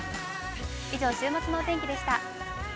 以上、週末のお天気でした。